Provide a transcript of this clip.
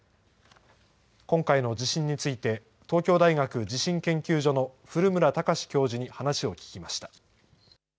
今回の地震について、東京大学地震研究所の古村孝志教授に話を聞きました。